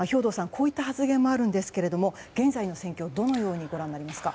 こういった発言もあるんですが現在の戦況をどのようにご覧になりますか？